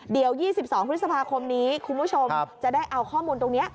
เดี๋ยว๒๒พฤษภาคมนี้คุณผู้ชมจะได้เอาข้อมูลตรงนี้